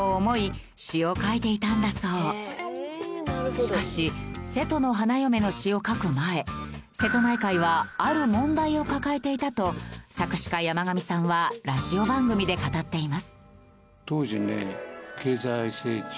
しかし『瀬戸の花嫁』の詞を書く前瀬戸内海はある問題を抱えていたと作詞家山上さんはラジオ番組で語っています。